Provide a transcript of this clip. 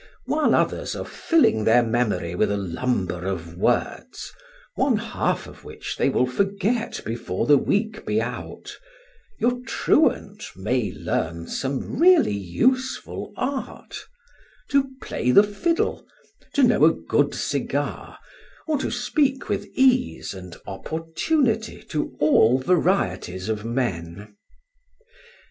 While others are filling their memory with a lumber of words, one half of which they will forget before the week be out, your truant may learn some really useful art: to play the fiddle, to know a good cigar, or to speak with ease and opportunity to all varieties of men.